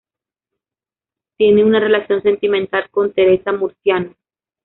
Tiene una relación sentimental con Teresa Murciano.